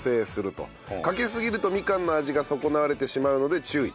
かけすぎるとみかんの味が損なわれてしまうので注意。